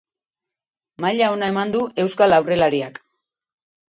Maila ona eman du euskal aurrelariak.